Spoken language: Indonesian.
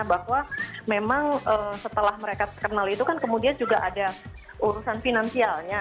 bahwa memang setelah mereka terkenal itu kan kemudian juga ada urusan finansialnya